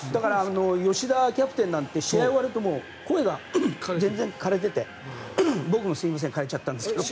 吉田キャプテンは試合終わると声がかれていて僕もすいません枯れちゃったんですけど。